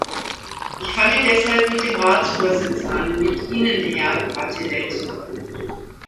Ich fange deshalb mit dem Ratsvorsitz an, mit Ihnen, Herr Wathelet.